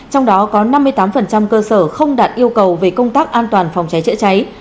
trong đó có năm mươi tám cơ sở không đạt yêu cầu về công tác an toàn phòng cháy chữa cháy